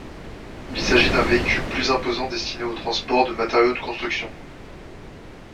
Il s'agit d'un véhicule plus imposant destiné au transport de matériaux de construction.